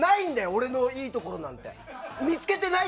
俺のいいところなんて！